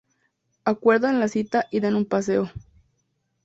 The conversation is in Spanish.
Acuerdan la cita y dan un paseo.